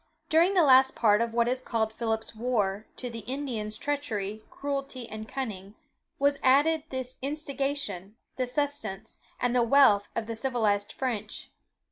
During the last part of what is called Philip's war, to the Indians' treachery, cruelty, and cunning, was added the instigation, the sustenance, and the wealth of the civilized French.